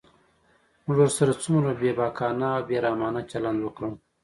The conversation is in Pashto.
موږ ورسره څومره بېباکانه او بې رحمانه چلند وکړ.